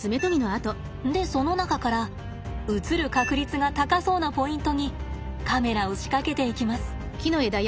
でその中から映る確率が高そうなポイントにカメラを仕掛けていきます。